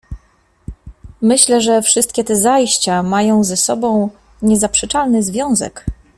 "Myślę, że wszystkie te zajścia mają ze sobą niezaprzeczony związek."